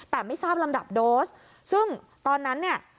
แต่ไม่ทราบลำดับโดสซึ่งตอนนั้นเนี่ย